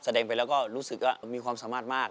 แสดงไปแล้วก็รู้สึกว่ามีความสามารถมาก